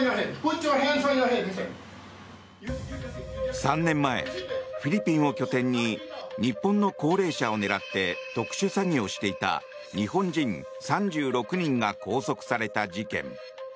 ３年前、フィリピンを拠点に日本の高齢者を狙って特殊詐欺をしていた日本人３６人が拘束された事件。